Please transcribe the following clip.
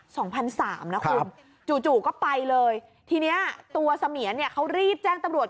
สองพันสามนะคุณจู่จู่ก็ไปเลยทีเนี้ยตัวเสมียนเนี่ยเขารีบแจ้งตำรวจ